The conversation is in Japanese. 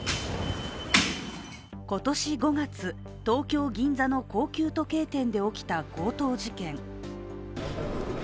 今年５月、東京・銀座の高級時計店で起きた強盗事件。